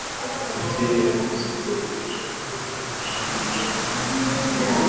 rugeyo yavuze ko yashakaga gushimisha jabo